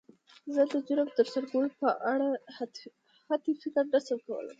زه د جرم د تر سره کولو په اړه حتی فکر نه شم کولی.